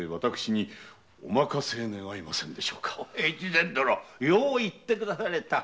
大岡殿よう言ってくだされた。